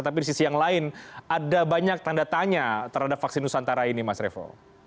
tapi di sisi yang lain ada banyak tanda tanya terhadap vaksin nusantara ini mas revo